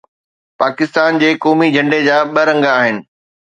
پاڪستان جي قومي جهنڊي جا ٻه رنگ آهن